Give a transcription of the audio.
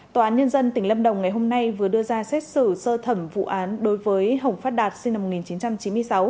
tòa án nhân dân tỉnh lâm đồng ngày hôm nay vừa đưa ra xét xử sơ thẩm vụ án đối với hồng phát đạt sinh năm một nghìn chín trăm chín mươi sáu